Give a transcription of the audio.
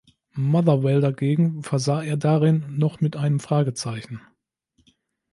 Motherwell dagegen versah er darin noch mit einem Fragezeichen.